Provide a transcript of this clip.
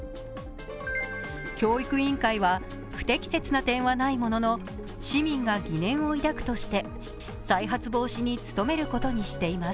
教育委員会は、不適切な点はないものの、市民が疑念を抱くとして再発防止に努めることにしています。